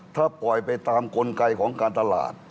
ถ้าปล่อยไปตามกลไกของการตลาด